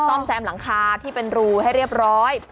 ซ่อมแซมหลังคาที่เป็นรูให้เรียบร้อย